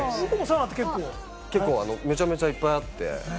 めちゃめちゃいっぱいあって。